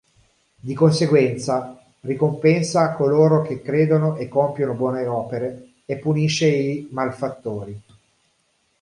Di conseguenza ricompensa coloro che credono e compiono buone opere e punisce i malfattori.